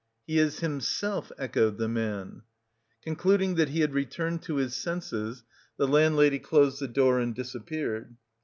"He is himself," echoed the man. Concluding that he had returned to his senses, the landlady closed the door and disappeared.